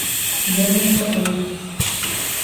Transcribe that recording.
Йәнәһе, ул!